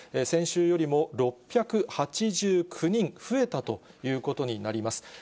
先週よりも６８９人増えたということになります。